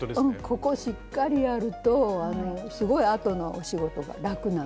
ここしっかりやるとすごい後の仕事が楽なんで。